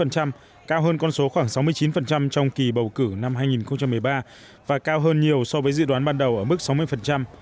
cao hơn con số khoảng sáu mươi chín trong kỳ bầu cử năm hai nghìn một mươi ba và cao hơn nhiều so với dự đoán ban đầu ở mức sáu mươi